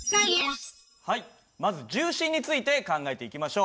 まず重心について考えていきましょう。